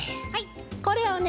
これをね